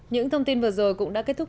những thông tin vừa rồi cũng đã kết thúc